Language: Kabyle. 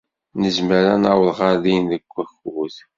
Nezmer ad naweḍ ɣer din deg wakud?